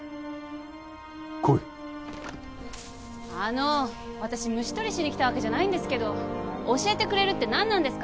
来いあの私虫捕りしに来たわけじゃないんですけど教えてくれるって何なんですか？